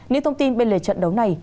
nhiều thông tin bên lề trận đấu này